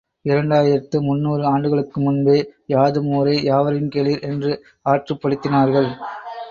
இரண்டாயிரத்து முந்நூறு ஆண்டுகளுக்கு முன்பே யாதும் ஊரே யாவரும் கேளிர் என்று ஆற்றுப்படுத்தினார்கள்.